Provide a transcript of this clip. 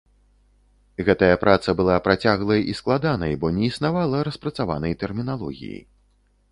Гэтая праца была працяглай і складанай, бо не існавала распрацаванай тэрміналогіі.